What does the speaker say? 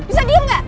bisa diam gak andin